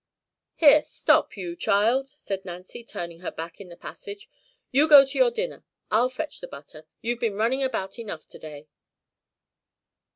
"Here, stop, you child!" said Nancy, turning her back in the passage. "You go to your dinner, I'll fetch the butter. You've been running about enough to day."